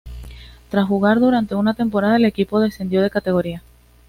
Tras jugar durante una temporada, el equipo descendió de categoría.